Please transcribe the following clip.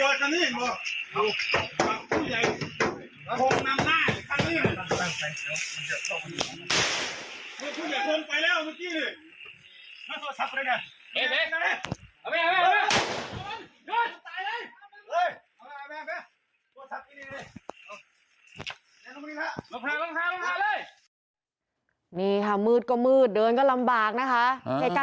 นำนำนำนำนำนำนำนำนำ